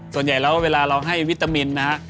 ส่วนใหญ่แล้วเวลาเราให้วิตามินนะฮะ